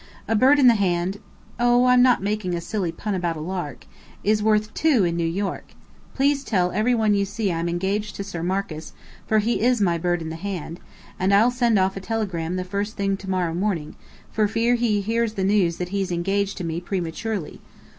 "A bird in the hand oh, I'm not making a silly pun about a lark is worth two in New York! Please tell every one you see I'm engaged to Sir Marcus, for he is my bird in the hand: and I'll send off a telegram the first thing to morrow morning, for fear he hears the news that he's engaged to me, prematurely.